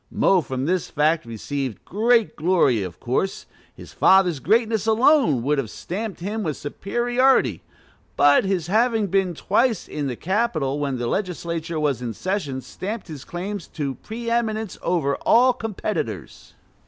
Mo from this fact received great glory, of course; his father's greatness alone would have stamped him with superiority; but his having been twice in the "Capitol" when the legislature was in session stamped his claims to pre eminence over all competitors.